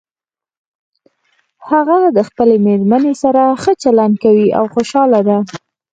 هغه د خپلې مېرمنې سره ښه چلند کوي او خوشحاله ده